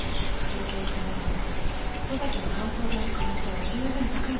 状況からみても十崎の犯行である可能性はじゅうぶん高いです。